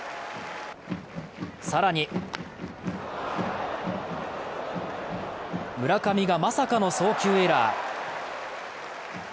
更に、村上がまさかの送球エラー。